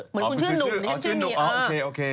เหมือนคุณชื่อนุ่มอ๋อโอเค